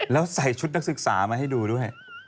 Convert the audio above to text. แล้วใส่ชุดนักศึกษามาให้ดูด้วย